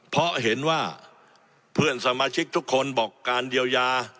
เพราะเห็นว่าเพื่อนสมาชิกทุกคนบอกการเยียวยา